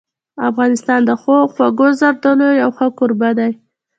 افغانستان د ښو او خوږو زردالو یو ښه کوربه دی.